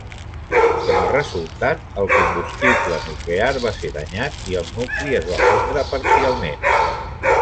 Com a resultat, el combustible nuclear va ser danyat i el nucli es va fondre parcialment.